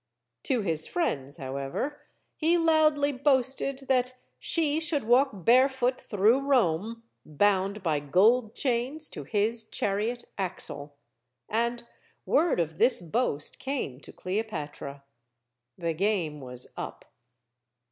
To his friends, however, he loudly boasted that she should walk bare foot through Rome, bound by gold chains to his chariot axle. And word of this boast came to Cleopatra. The game was up.